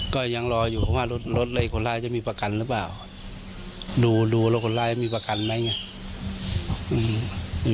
ก็ยังรออยู่เพราะว่ารถรถเลยคนร้ายจะมีประกันหรือเปล่าดูดูแล้วคนร้ายมีประกันไหมไง